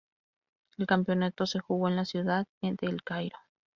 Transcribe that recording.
El campeonato se jugó en la ciudad de El Cairo.